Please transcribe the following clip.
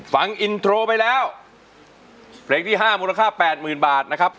ฟังอินโทรไปแล้วเพลงที่๕มูลค่า๘๐๐๐๐บาทนะครับ